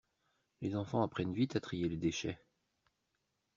Les enfants apprennent vite à trier les déchets.